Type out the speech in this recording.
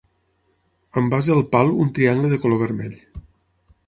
Amb base al pal un triangle de color vermell.